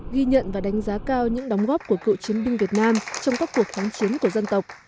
ghi nhận và đánh giá cao những đóng góp của cựu chiến binh việt nam trong các cuộc kháng chiến của dân tộc